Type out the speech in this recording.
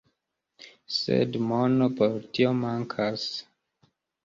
Sed mono por tio mankas.